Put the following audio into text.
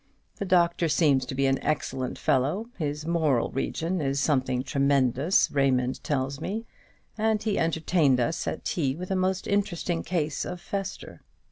The doctor seems to be an excellent fellow; his moral region is something tremendous, Raymond tells me, and he entertained us at tea with a most interesting case of fester."